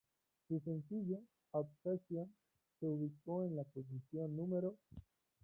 Su sencillo "Obsession" se ubicó en la posición No.